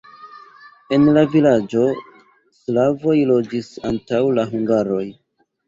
En la vilaĝo slavoj loĝis antaŭ la hungaroj.